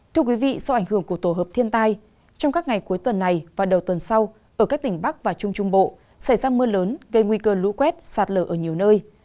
thưa quý vị do ảnh hưởng của tổ hợp thiên tai trong các ngày cuối tuần này và đầu tuần sau ở các tỉnh bắc và trung trung bộ xảy ra mưa lớn gây nguy cơ lũ quét sạt lở ở nhiều nơi